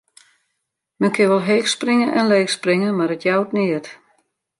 Men kin wol heech springe en leech springe, mar it jout neat.